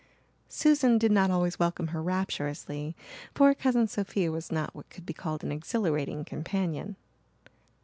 Susan did not always welcome her rapturously for Cousin Sophia was not what could be called an exhilarating companion.